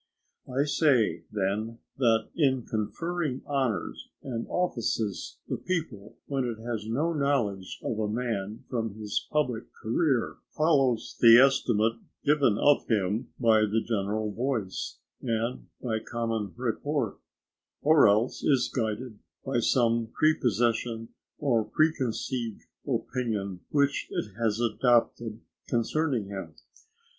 I say, then, that in conferring honours and offices, the people, when it has no knowledge of a man from his public career, follows the estimate given of him by the general voice, and by common report; or else is guided by some prepossession or preconceived opinion which it has adopted concerning him.